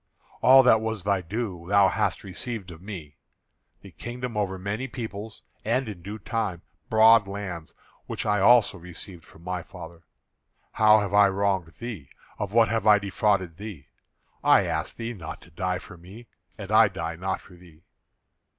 All that was thy due thou hast received of me; the kingdom over many people, and, in due time, broad lands which I also received of my father. How have I wronged thee? Of what have I defrauded thee? I ask thee not to die for me; and I die not for thee.